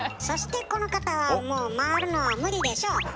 そしてこの方はもう回るのは無理でしょう。